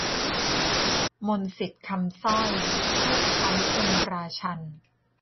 มนต์-สิทธิ์-คำสร้อย :'เทิดไท้องค์ราชันย์'